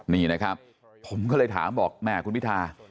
นี่นะครับผมก็เลยถามบอกแม่คุณพิธา